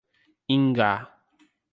Ingá